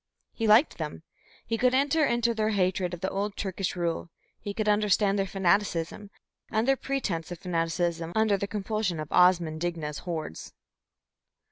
He liked them; he could enter into their hatred of the old Turkish rule, he could understand their fanaticism, and their pretence of fanaticism under the compulsion of Osman Digna's hordes.